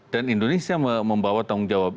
dan indonesia membawa tanggung jawab